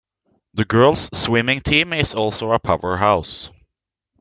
The girls swimming team is also a powerhouse.